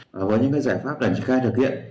và những giải pháp để triển khai thực hiện